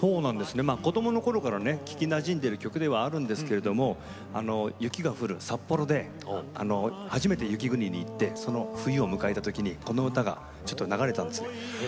子どものころから聞きなじんでいる歌なんですけれども雪が降る札幌で初めて雪国に行ってその冬を迎えた時にこの歌が流れたんです。